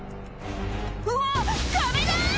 うわ壁だ！